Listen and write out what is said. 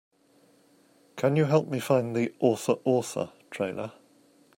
Can you help me find the Author! Author! trailer?